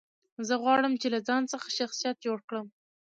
زه غواړم، چي له ځان څخه شخصیت جوړ کړم.